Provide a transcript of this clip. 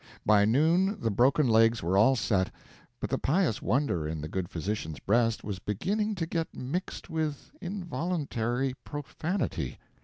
By noon the broken legs were all set, but the pious wonder in the good physician's breast was beginning to get mixed with involuntary profanity.